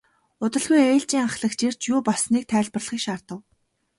Удалгүй ээлжийн ахлагч ирж юу болсныг тайлбарлахыг шаардав.